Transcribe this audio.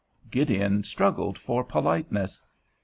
Gideon struggled for politeness.